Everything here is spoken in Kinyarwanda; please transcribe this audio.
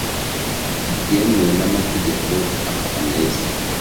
bwemewe n amategeko akaba meza